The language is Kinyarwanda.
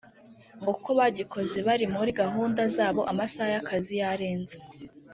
ngo kuko bagikoze bari muri gahunda zabo amasaha y’akazi yarenze